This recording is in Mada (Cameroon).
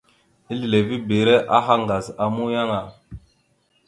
Ezlilivibire aha ŋgaz a muyaŋ a.